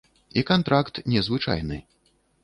І кантракт не звычайны.